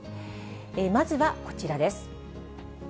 まずはこちらです。